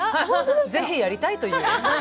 ぜひやりたいと。